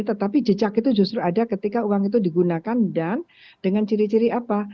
tetapi jejak itu justru ada ketika uang itu digunakan dan dengan ciri ciri apa